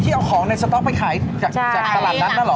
ที่เอาของในสโต๊คไปขายจากภารณ์นั้นหรอ